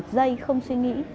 giây không suy nghĩ